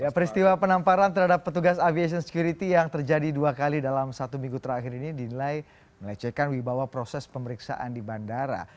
peristiwa penamparan terhadap petugas aviation security yang terjadi dua kali dalam satu minggu terakhir ini dinilai melecehkan wibawa proses pemeriksaan di bandara